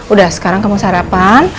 udah sekarang kamu sarapan